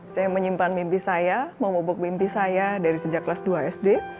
saya menyimpan mimpi saya memobok mimpi saya dari sejak kelas dua sd